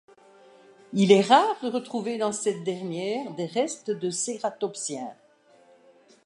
Il est rare de retrouver dans cette dernière des restes de cératopsiens.